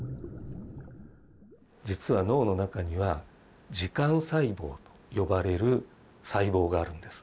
実は脳の中には「時間細胞」と呼ばれる細胞があるんです。